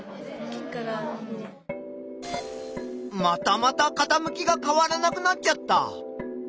またまたかたむきが変わらなくなっちゃった。